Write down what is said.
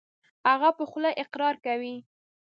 هغه په خوله اقرار کوي .